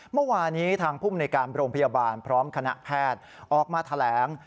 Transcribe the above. เมื่อวานี้ทางภูมิในการโรงพยาบาลพร้อมคณะแพทย์ออกมาแถลง